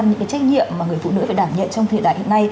những cái trách nhiệm mà người phụ nữ phải đảm nhận